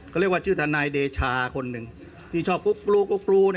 ก็เรียกว่าชื่อทนายเดชาคนหนึ่งที่ชอบกุ๊กกลูกุ๊กกลู